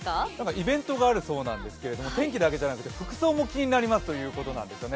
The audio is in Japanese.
イベントがあるそうなんですけれども、天気だけじゃなくて服装も気になりますということなんですよね。